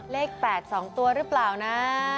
เลข๘๒ตัวหรือเปล่านะ